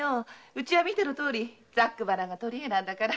うちは見てのとおりざっくばらんなんだから。